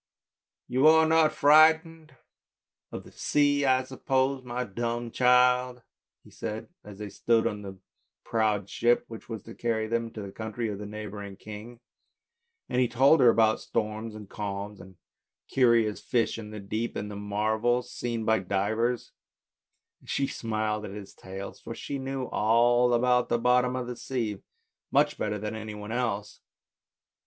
" You are not frightened of the sea, I suppose, my| dumb child? " he said, as they stood on the proud ship which was to carry them to the country of the neighbouring king; and he told her about storms and calms, about curious fish in the deep, and the marvels seen by divers; and she smiled at his tales, for she knew all about the bottom of the sea much better than any one else.